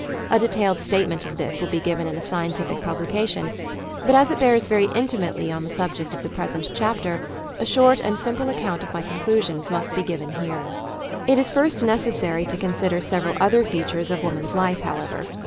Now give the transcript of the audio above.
A detailed statement of this will be given in a scientific publication, but as it bears very intimately on the subject of the present chapter, a short and simple account of my conclusions must be given here. It is first necessary to consider several other features of woman's life, however.